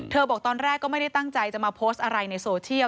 บอกตอนแรกก็ไม่ได้ตั้งใจจะมาโพสต์อะไรในโซเชียล